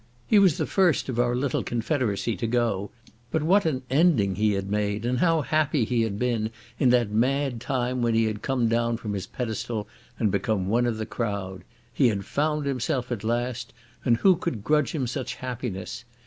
He was the first of our little confederacy to go. But what an ending he had made, and how happy he had been in that mad time when he had come down from his pedestal and become one of the crowd! He had found himself at the last, and who could grudge him such happiness?